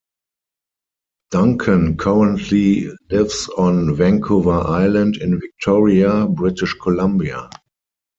Duncan currently lives on Vancouver Island in Victoria, British Columbia.